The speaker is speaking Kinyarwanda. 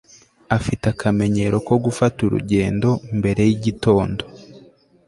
Afite akamenyero ko gufata urugendo mbere yigitondo